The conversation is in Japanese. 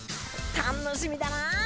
楽しみだなぁ！